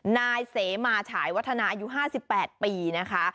นายเสมาจายวัฒนาอายุห้าสิบแปดปีนะคะ